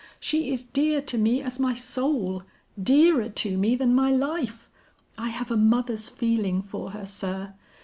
She is dear to me as my soul; dearer to me than my life. I have a mother's feeling for her, sir.